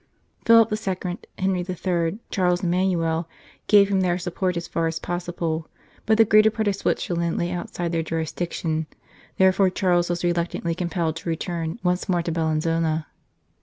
Philip II., Henry III., Charles Emmanuel, gave him their support as far as possible ; but the greater part of Switzerland lay outside their jurisdiction, therefore Charles was reluctantly compelled to return once more to Bellinzona.